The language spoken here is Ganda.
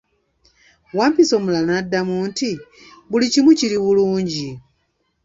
Wampisi omulala n'addamu nti, buli kimu kiri bulungi.